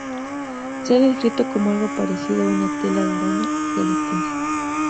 Se ha descrito como algo parecido una tela de araña o gelatina.